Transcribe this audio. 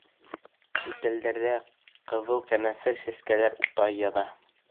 Түтәлдәрҙә ҡыҙыл ҡәнәфер сәскәләре уттай яна.